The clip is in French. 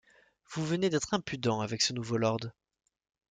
Vous venez d’être impudents avec ce nouveau lord.